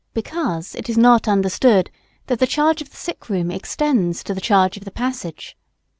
Because it is not understood that the charge of the sick room extends to the charge of the passage.